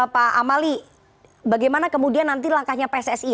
pak amali bagaimana kemudian nanti langkahnya pssi